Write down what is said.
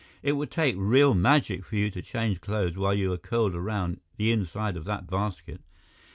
"It would take real magic for you to change clothes while you are curled around the inside of that basket."